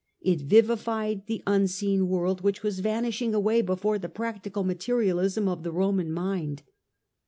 It vivified the unseen world which was vanishing away before the practical materialism of the Roman mind.